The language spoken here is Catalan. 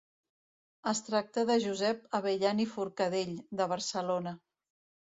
Es tracta de Josep Abellan i Forcadell, de Barcelona.